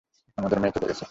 আমাদের মেয়ে চলে গেছে!